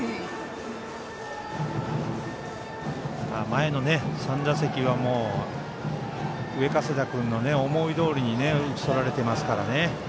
前の３打席は上加世田君の思いどおりに打ち取られてますからね。